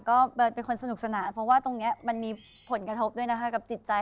ก็เบิร์ดเป็นคนสนุกสนานเพราะว่าตรงนี้มันมีผลกระทบด้วยนะคะกับจิตใจ